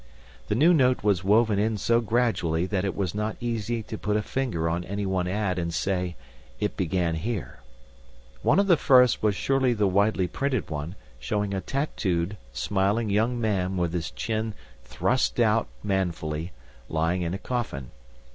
The new note was woven in so gradually that it is not easy to put a finger on any one ad and say, "It began here." One of the first was surely the widely printed one showing a tattooed, smiling young man with his chin thrust out manfully, lying in a coffin.